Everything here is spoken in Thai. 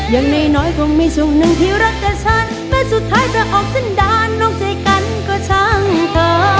อย่างในน้อยคงไม่ช่วงหนึ่งที่รักกับฉันแม้สุดท้ายเธอออกทางด้านร่องใจกันก็ช่างเธอ